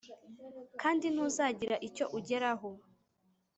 kandi ntuzagira icyo ugeraho.